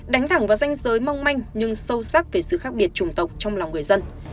đánh thẳng vào danh giới mong manh nhưng sâu sắc về sự khác biệt trùng tộc trong lòng người dân